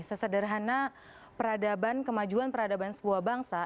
sesederhana peradaban kemajuan peradaban sebuah bangsa